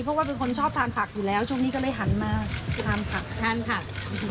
เพราะว่าเป็นคนชอบทานผักอยู่แล้วช่วงนี้ก็เลยหันมาทานผักทานผัก